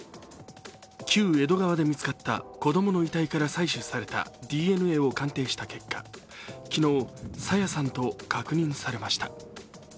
旧江戸川で見つかった子どもの遺体から採取されたＤＮＡを鑑定した結果昨日、朝芽さんと確認されました。